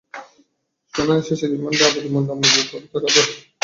শুনানি শেষে রিমান্ড আবেদন নামঞ্জুর করে তাঁকে কারাগারে পাঠানোর নির্দেশ দেন আদালত।